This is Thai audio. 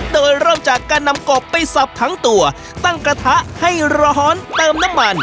โดยเริ่มจากการนำกบไปสับทั้งตัวตั้งกระทะให้ร้อนเติมน้ำมัน